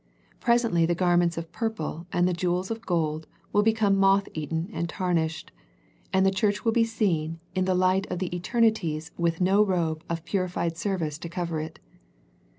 Presently the garments of purple, and the jewels of gold will become moth eaten and tarnished, and the church will be seen in the light of the eterni ties with no robe of purified service to cover it.